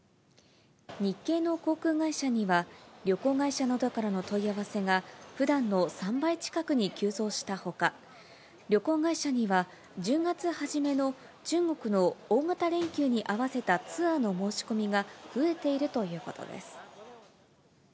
日系の航空会社には、旅行会社などからの問い合わせがふだんの３倍近くに急増したほか、旅行会社には、１０月初めの中国の大型連休に合わせたツアーの申し込みが増えているということです。